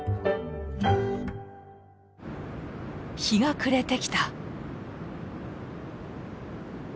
日が暮れてきた。